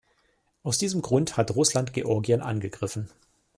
Aus diesem Grund hat Russland Georgien angegriffen.